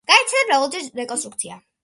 განიცადა მრავალჯერადი რეკონსტრუქცია.